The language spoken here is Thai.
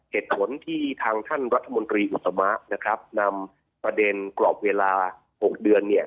เหตุผลที่ทางท่านรัฐมนตรีอุตมะนะครับนำประเด็นกรอบเวลา๖เดือนเนี่ย